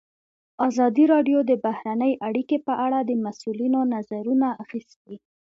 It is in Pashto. ازادي راډیو د بهرنۍ اړیکې په اړه د مسؤلینو نظرونه اخیستي.